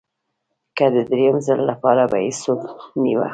که د درېیم ځل لپاره به یې څوک نیوه